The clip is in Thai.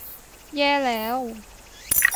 แย่แล้ว !